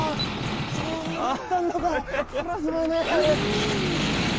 効いてる効いてる。